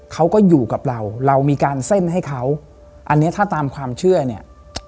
เขาก็อยู่กับเราเรามีการเส้นให้เขาอันนี้ถ้าตามความเชื่อเนี่ย